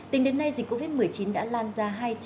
tính đến nay dịch covid một mươi chín đã lan ra